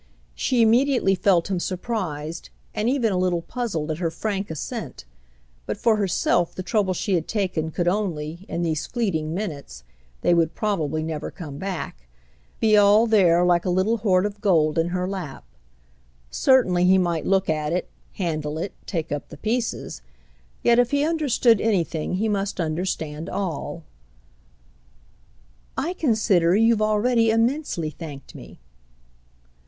She immediately felt him surprised and even a little puzzled at her frank assent; but for herself the trouble she had taken could only, in these fleeting minutes—they would probably never come back—be all there like a little hoard of gold in her lap. Certainly he might look at it, handle it, take up the pieces. Yet if he understood anything he must understand all. "I consider you've already immensely thanked me."